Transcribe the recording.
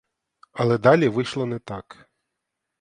Але далі вийшло не так.